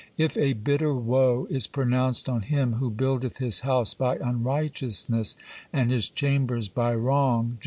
If a bitter woe is pronounced on him who buildeth his house by unrighteousness and his chambers by wrong (Jer.